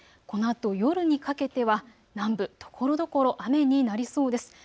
このあと夜にかけては南部、ところどころ雨になりそうです。